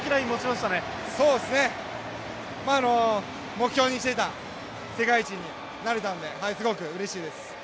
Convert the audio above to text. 目標にしていた世界一になれたのですごくうれしいです。